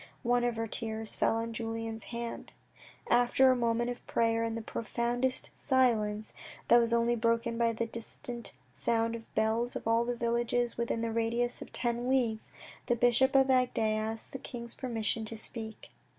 One of her tears fell on Julien's hand. After a moment of prayer in the profoundest silence, that was only broken by the distant sound of the bells of all the villages within a radius of ten leagues, the bishop of Agde asked the king's permission to speak.